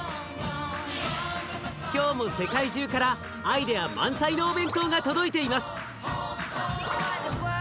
今日も世界中からアイデア満載のお弁当が届いています。